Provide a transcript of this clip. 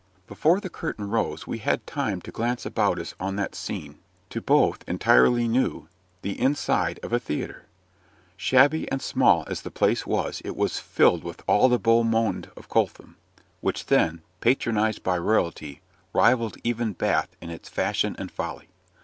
Before the curtain rose we had time to glance about us on that scene, to both entirely new the inside of a theatre. Shabby and small as the place was, it was filled with all the beau monde of Coltham, which then, patronized by royalty, rivalled even Bath in its fashion and folly.